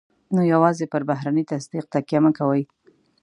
نو يوازې پر بهرني تصديق تکیه مه کوئ.